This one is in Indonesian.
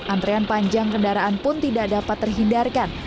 antrean panjang kendaraan pun tidak dapat terhindarkan